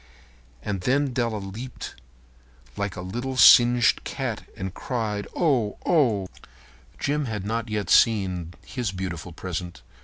And then Della leaped up like a little singed cat and cried, "Oh, oh!" Jim had not yet seen his beautiful present.